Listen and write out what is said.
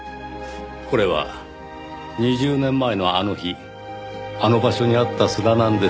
これは２０年前のあの日あの場所にあった砂なんですよ。